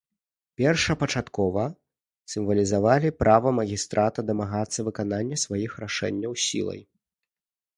Першапачаткова сімвалізавалі права магістрата дамагацца выканання сваіх рашэнняў сілай.